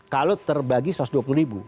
kalau terbagi rp satu ratus dua puluh